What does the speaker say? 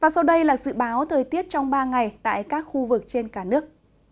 sau thời tiết trong ba ngày tại các khu vực trên cả nước